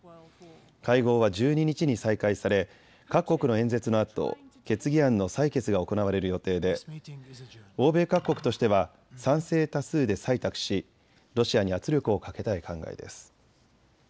会合は１２日に再開され各国の演説のあと決議案の採決が行われる予定で欧米各国としては賛成多数で採択しロシアに圧力をかけたい考えです。